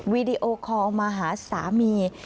วีดีโอคอลมาหาสามี